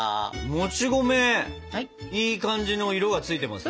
もち米いい感じの色が付いてますね。